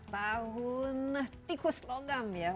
tahun tikus logam ya